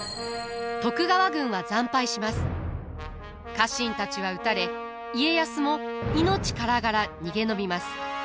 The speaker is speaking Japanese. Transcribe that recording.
家臣たちは討たれ家康も命からがら逃げ延びます。